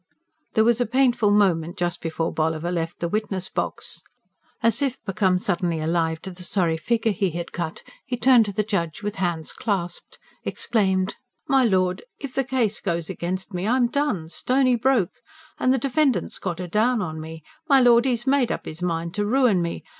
There was a painful moment just before Bolliver left the witness box. As if become suddenly alive to the sorry figure he had cut, he turned to the judge with hands clasped, exclaimed: "My Lord, if the case goes against me, I'm done ... stony broke! And the defendant's got a down on me, my Lord 'e's made up his mind to ruin me.